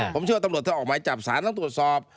ผมเชื่อว่าตำรวจจะออกไม้จับศาลตั้งตรวจสอบ